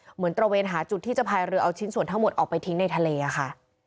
ตระเวนหาจุดที่จะพายเรือเอาชิ้นส่วนทั้งหมดออกไปทิ้งในทะเลค่ะ